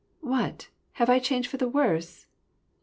" What ! have I changed for the worse